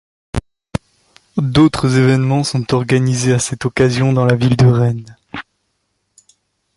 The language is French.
D'autres évènements sont organisés à cette occasion dans la ville de Rennes.